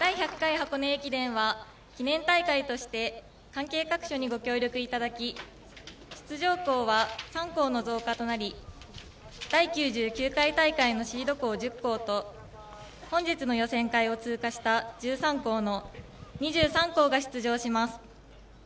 第１００回箱根駅伝は記念大会として関係各所にご協力いただき、出場校は３校の増加となり、第９９回大会のシード校１０校と、本日の予選会を通過した１３校の２３校が出場します。